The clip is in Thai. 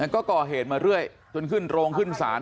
ก็ก่อเหตุมาเรื่อยจนขึ้นโรงขึ้นศาล